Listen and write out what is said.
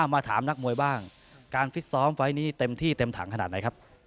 มาถามนักมวยบ้างการฟิตซ้อมไฟล์นี้เต็มที่เต็มถังขนาดไหนครับ